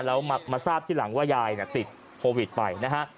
แล้วมาทราบที่หลังว่ายายติดโควิดไปนะฮะ